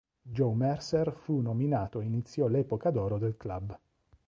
Joe Mercer fu nominato e iniziò l'epoca d'oro del club.